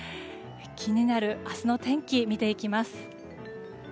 気になる明日の天気を見ていきます。